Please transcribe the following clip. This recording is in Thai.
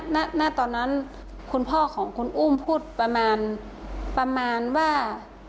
ค่ะณตอนนั้นคุณพ่อของคุณอุ้มพูดประมาณว่า